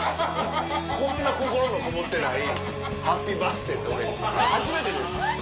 こんな心のこもってない『ハッピーバースデー』って俺初めてです。